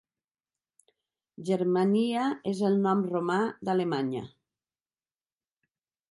Germania és el nom romà d'Alemanya.